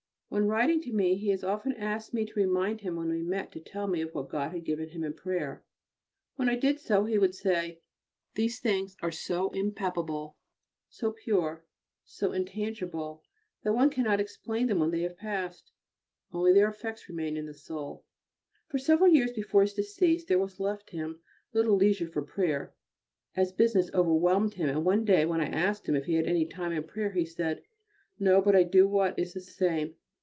When writing to me he has often asked me to remind him when we met to tell me what God had given him in prayer. When I did so he would say, "These things are so impalpable, so pure, so intangible, that one cannot explain them when they have passed, only their effects remain in the soul." For several years before his decease there was left him little leisure for prayer, as business overwhelmed him, and one day when I asked him if he had any time for prayer, he said: "No, but I do what is the same."